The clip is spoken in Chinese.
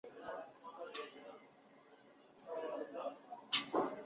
因此食物链有累积和放大的效应。